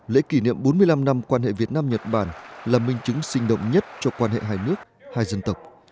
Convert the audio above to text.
lễ kỷ niệm bốn mươi năm năm quan hệ việt nam nhật bản là minh chứng sinh động nhất cho quan hệ hai nước hai dân tộc